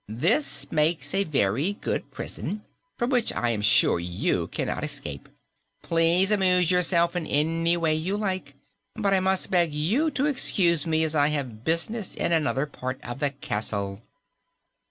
This makes a very good prison, from which I am sure you cannot escape. Please amuse yourselves in any way you like, but I must beg you to excuse me, as I have business in another part of my castle."